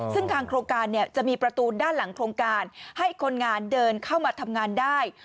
ซึ่งทางโครงการจะมีประตูด้านหลังโครงการให้คนงานเดินเข้ามาทำงานได้